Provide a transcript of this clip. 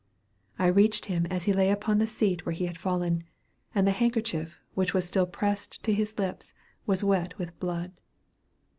I reached him as he lay upon the seat where he had fallen, and the handkerchief, which was still pressed to his lips, was wet with blood.